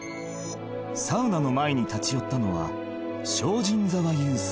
［サウナの前に立ち寄ったのは］